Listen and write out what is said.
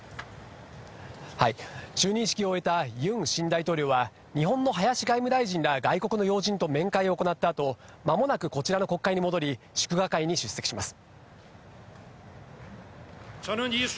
就任式を終えたユン新大統領は、日本の林外務大臣ら外国の要人と面会を行ったあと、まもなくこちらの国会に戻り、祝賀会に出席します。